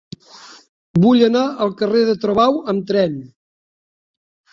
Vull anar al carrer de Travau amb tren.